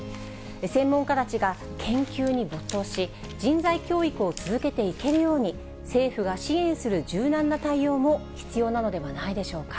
専門家たちが研究に没頭し、人材教育を続けていけるように、政府が支援する柔軟な対応も必要なのではないでしょうか。